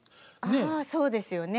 ああそうですよね。